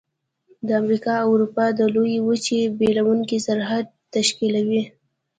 د امریکا او اروپا د لویې وچې بیلونکی سرحد تشکیلوي.